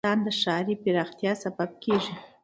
اوړي د افغانستان د ښاري پراختیا سبب کېږي.